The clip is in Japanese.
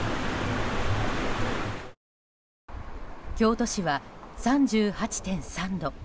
京都市は３８．３度。